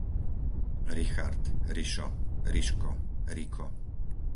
Richard, Rišo, Riško, Riko